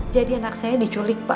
jadi anak saya diculik pak